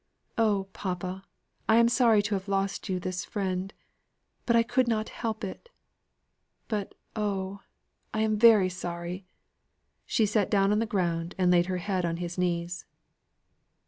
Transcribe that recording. Oh, papa, I am sorry to have lost you this friend, but I could not help it but oh! I am very sorry." She sate down on the ground, and laid her head on his knees.